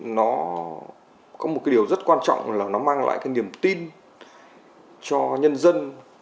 nó có một cái điều rất quan trọng là nó mang lại cái niềm tin cho nhân dân